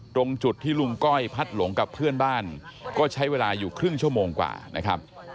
ตรงจุดที่ลุงก้อยพัดหลงกับเพื่อนบ้านก็ใช้เวลาอยู่ครึ่งชั่วโมงกว่านะครับ